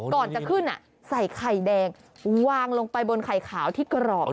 ก่อนจะขึ้นใส่ไข่แดงวางลงไปบนไข่ขาวที่กรอบ